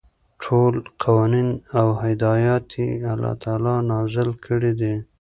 ټول قوانين او هدايات يي الله تعالى نازل كړي دي ،